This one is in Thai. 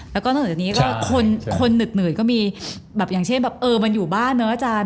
แล้วก็นอกจากนี้ก็คนหนึดหืดก็มีแบบอย่างเช่นแบบเออมันอยู่บ้านเนอะอาจารย์